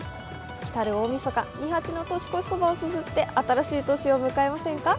来たる大みそか、二八の年越しそばをすすって新しい年を向かせませんか？